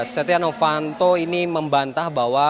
setia novanto ini membantah bahwa